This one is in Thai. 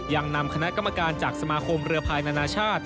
ยังนำคณะกรรมการจากสมาคมเรือภายนานาชาติ